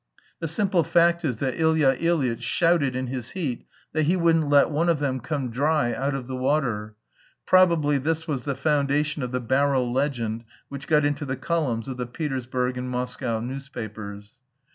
The simple fact is that Ilya Ilyitch shouted in his heat that he wouldn't let one of them come dry out of the water; probably this was the foundation of the barrel legend which got into the columns of the Petersburg and Moscow newspapers.